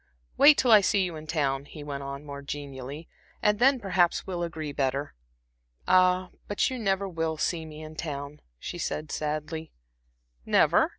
Wait till I see you in town," he went on, more genially "and then perhaps we'll agree better." "Ah, but you never will see me in town," she said, sadly. "Never?"